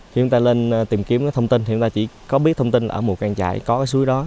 khi chúng ta lên tìm kiếm thông tin thì chúng ta chỉ có biết thông tin là ở ngũ căng trải có cái suối đó